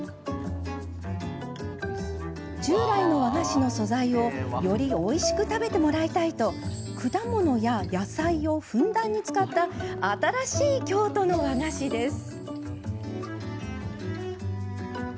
従来の和菓子の素材をよりおいしく食べてもらいたいと果物や野菜をふんだんに使った新しい京都の和菓子です。